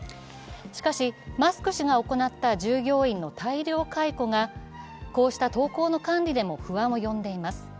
しかし、マスク氏が行った従業員の大量解雇がこうした投稿の管理でも不安を呼んでいます。